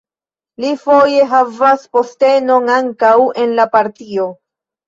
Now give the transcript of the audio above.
Li foje havas postenon ankaŭ en la partio.